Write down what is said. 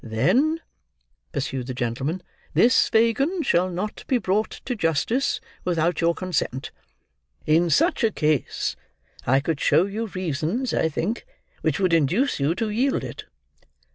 "Then," pursued the gentleman, "this Fagin shall not be brought to justice without your consent. In such a case I could show you reasons, I think, which would induce you to yield it."